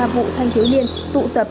một mươi ba vụ thanh thiếu liên tụ tập